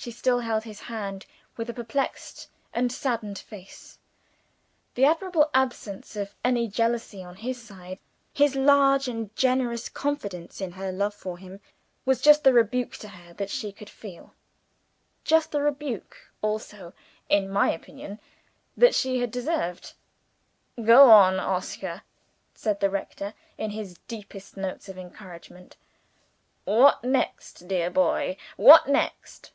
She still held his hand, with a perplexed and saddened face. The admirable absence of any jealousy on his side his large and generous confidence in her love for him was just the rebuke to her that she could feel; just the rebuke also (in my opinion) that she had deserved. "Go on, Oscar," said the rector, in his deepest notes of encouragement. "What next, dear boy? what next?"